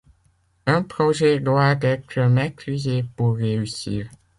Un projet doit être maîtrisé pour réussir.